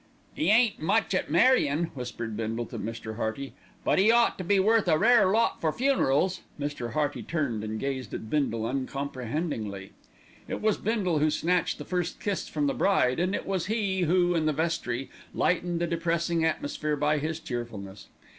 "'E ain't much at marrying," whispered Bindle to Mr. Hearty; "but 'e ought to be worth a rare lot for funerals." Mr. Hearty turned and gazed at Bindle uncomprehendingly. It was Bindle who snatched the first kiss from the bride, and it was he who, in the vestry, lightened the depressing atmosphere by his cheerfulness.